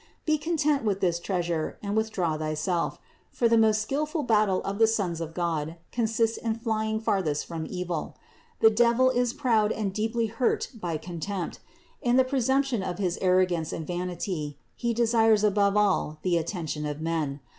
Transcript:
Be content with this treasure and withdraw thyself; for the most skillful battle of the sons of God consists in flying farthest from evil. The devil is proud and is deeply hurt by contempt; in the presumption of his arrogance and vanity he desires above all the attention of men.